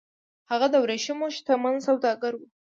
هغه د ورېښمو شتمن سوداګر و